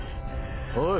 おい。